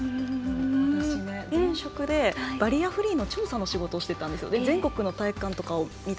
前職でバリアフリーの調査の仕事をしてたんですよ。